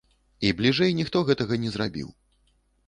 І бліжэй ніхто гэтага не зрабіў!